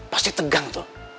pasti tegang tuh